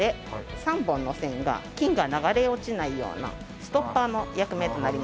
３本の線が金が流れ落ちないようなストッパーの役目となりますので。